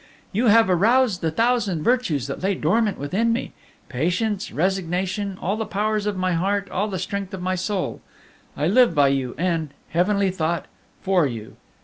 You have aroused the thousand virtues that lay dormant within me patience, resignation, all the powers of my heart, all the strength of my soul. I live by you and heavenly thought! for you.